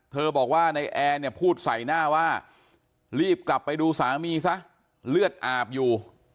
บอกว่าในแอร์เนี่ยพูดใส่หน้าว่ารีบกลับไปดูสามีซะเลือดอาบอยู่